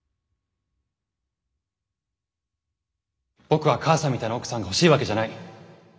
僕は母さんみたいな奥さんが欲しいわけじゃない。